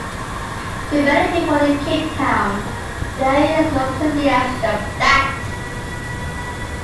To many people in Cape Town, the area is known simply as "The Flats".